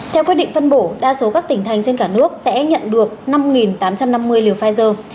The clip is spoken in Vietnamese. theo quyết định phân bổ đa số các tỉnh thành phố và bệnh viện trên cả nước sẽ nhận được năm tám trăm năm mươi liều pfizer